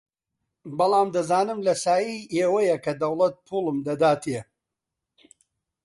بەڵام دەزانم لە سایەی ئێوەیە کە دەوڵەت پووڵم دەداتێ